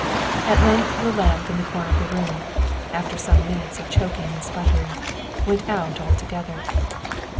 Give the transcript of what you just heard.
At length the lamp in the corner of the room, after some minutes of choking and spluttering, went out altogether.